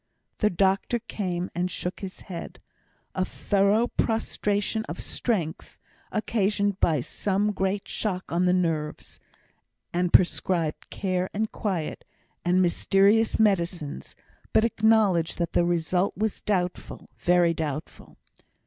The doctor came and shook his head, "a thorough prostration of strength, occasioned by some great shock on the nerves," and prescribed care and quiet, and mysterious medicines, but acknowledged that the result was doubtful, very doubtful.